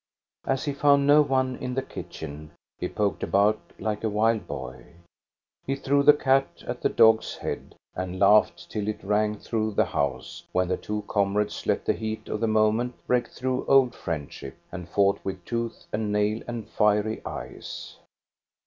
As he found no one in the kitchen, he poked about like a wild boy. He threw the cat at the dog's head, and laughed till it rang through the house when the two comrades let the heat of the moment break through old friendship, and fought with tooth and nail and fiery eyes.